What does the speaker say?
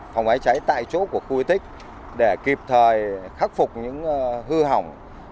phòng cháy chữa cháy tại chỗ của khu di tích để kịp thời khắc phục những hư hỏng